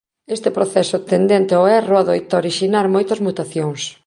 Este proceso tendente ao erro adoita orixinar moitas mutacións.